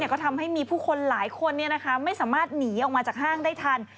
ก็ทำให้มีผู้คนหลายคนไม่สามารถหนีออกมาจากห้างได้ทัน